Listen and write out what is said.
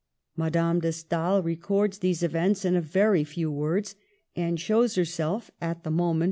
Madame de Stael records these events in a very few words, and shows herself, at the moment